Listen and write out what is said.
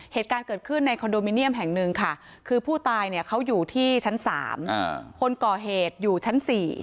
เหตุการณ์เกิดขึ้นในคอนโดมิเนียมแห่งหนึ่งค่ะคือผู้ตายเนี่ยเขาอยู่ที่ชั้น๓คนก่อเหตุอยู่ชั้น๔